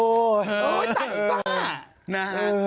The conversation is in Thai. โอ้ยโอ้ยไอ้บ้าน่ะฮะ